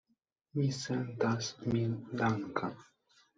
Mi sentas min danka.